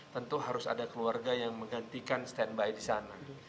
tentu harus ada keluarga yang menggantikan standby di sana